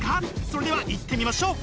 それではいってみましょう！